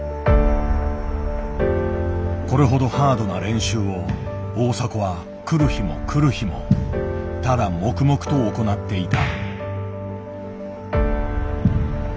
これほどハードな練習を大迫は来る日も来る日もただ黙々と行っていた。